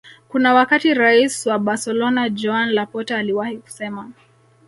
Kuna wakati Rais wa Barcolona Joan Laporta aliwahi kusema